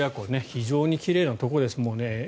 非常に奇麗なところです。